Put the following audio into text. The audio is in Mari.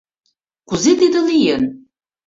Кузе тиде лийын?